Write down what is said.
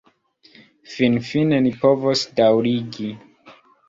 Finfine ni povos daŭrigi!